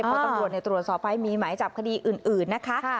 เพราะตรวจในตรวจสอบภัยมีหมายจับคดีอื่นนะคะ